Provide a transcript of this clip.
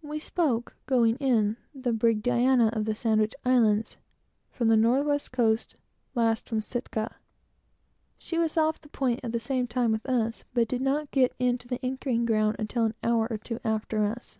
We spoke, going in, the brig Diana, of the Sandwich Islands, from the North west Coast, last from Asitka. She was off the point at the same time with us, but did not get in to the anchoring ground until an hour or two after us.